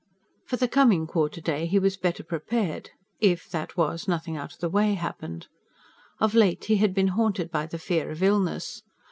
For the coming quarter day he was better prepared if, that was, nothing out of the way happened. Of late he had been haunted by the fear of illness.